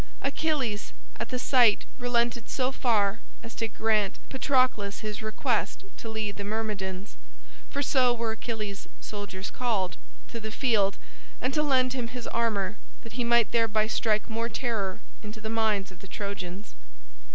Achilles, at the sight, relented so far as to grant Patroclus his request to lead the Myrmidons (for so were Achilles' soldiers called) to the field, and to lend him his armor, that he might thereby strike more terror into the minds of the Trojans.